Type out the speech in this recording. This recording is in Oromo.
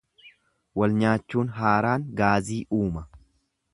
Walnyaachuun haaraan gaazii uuma.